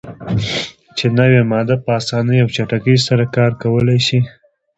چې نوی ماده "په اسانۍ او چټکۍ سره کار کولای شي.